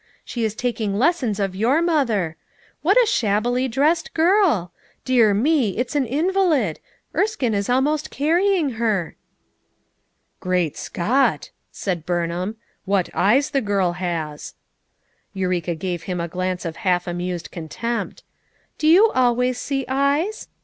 She is taking lessons of your mother. What a shabbily dressed girl! Dear me, it's an invalid! Erskinc is almost carrying her." "Great Scott!" said Burnhain, "what eyes the girl has!" Eureka gave him a glance of half amused contempt. "Do you always see eyes?"